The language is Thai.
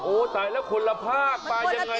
โอ๊ยแต่เราคนละพากษ์กลายอย่างไร